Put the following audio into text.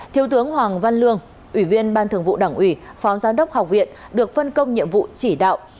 thiếu tướng hoàng văn lương ủy viên ban thường vụ đảng ủy phó giám đốc học viện được phân công nhiệm vụ chỉ đạo